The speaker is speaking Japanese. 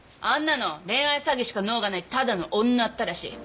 あんなの恋愛詐欺しか能がないただの女ったらし。